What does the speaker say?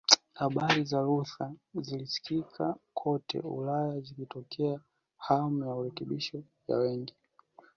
Habari za Luther zilisikika kote Ulaya zikatokeza hamu ya urekebisho ya wengi